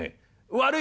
「悪い？」。